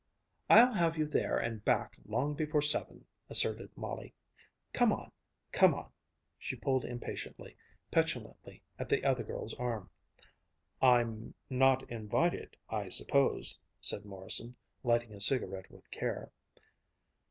"I'll have you there and back long before seven," asserted Molly. "Come on ... come on ..." She pulled impatiently, petulantly at the other girl's arm. "I'm not invited, I suppose," said Morrison, lighting a cigarette with care.